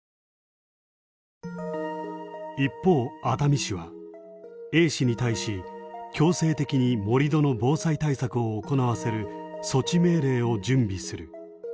一方熱海市はＡ氏に対し強制的に盛り土の防災対策を行わせる措置命令を準備する。